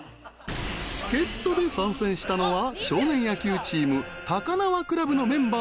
［助っ人で参戦したのは少年野球チーム高輪クラブのメンバー２１人］